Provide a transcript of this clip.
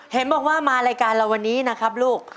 เห็นบอกว่ามารายการเราวันนี้นะครับลูก